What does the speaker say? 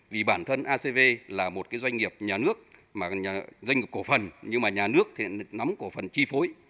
vì bản thân acv là một doanh nghiệp cổ phần nhưng mà nhà nước thì nắm cổ phần chi phối